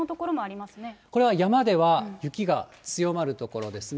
これは山では雪が強まる所ですね。